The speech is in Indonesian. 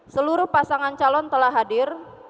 seluruh pasangan calon telah hadir